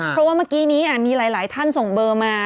เพราะว่าเมื่อกี้นี้มีหลายท่านส่งเบอร์มา